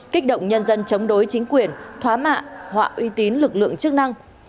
kích động nhân dân chống đối chính quyền thóa mạ họa uy tín lực lượng chức năng